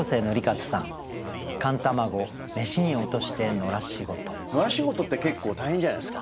野良仕事って結構大変じゃないですか。